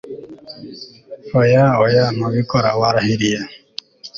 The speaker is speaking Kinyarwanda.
oya oya ntubikora! warahiriye